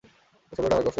ওই শব্দটা আমাকে কষ্ট দেয়।